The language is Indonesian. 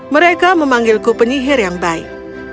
mereka memanggilku penyihir yang baik